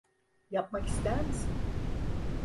Yapmak ister misin?